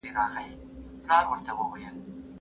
د شیر سرخ مزار جرګه ولې جوړه سوه؟